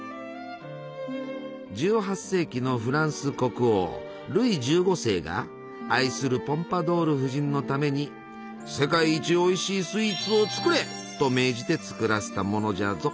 １８世紀のフランス国王ルイ１５世が愛するポンパドール夫人のために「世界一おいしいスイーツを作れ！」と命じて作らせたものじゃぞ。